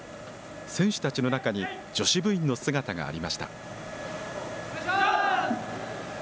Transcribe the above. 選手たちの中に、女子部員の姿がありました。